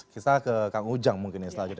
kita ke kang ujang mungkin